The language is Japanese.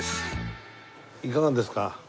いかがですか？